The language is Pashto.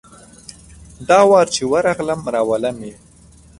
دا وار چي ورغلم ، راولم یې .